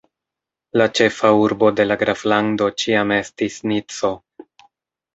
La ĉefa urbo de la graflando ĉiam estis Nico.